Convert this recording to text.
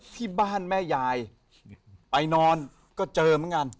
ที่บ้านแม่ยายไปนอนก็เจอเหมือนกัน